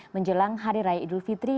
menjelang hari raya idul fitri